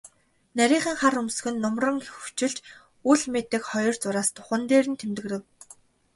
Нарийхан хар хөмсөг нь нумран хөвчилж, үл мэдэг хоёр зураас духанд нь тэмдгэрэв.